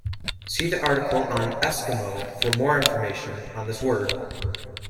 See the article on "Eskimo" for more information on this word.